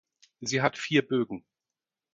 Sie hat vier Bögen.